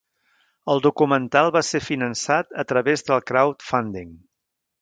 El documental va ser finançat a través de crowdfunding.